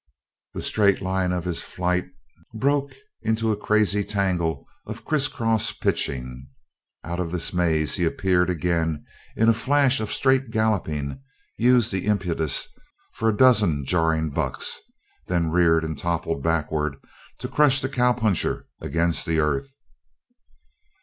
The straight line of his flight broke into a crazy tangle of criss cross pitching. Out of this maze he appeared again in a flash of straight galloping, used the impetus for a dozen jarring bucks, then reared and toppled backward to crush the cowpuncher against the earth.